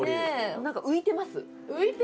何か浮いてます。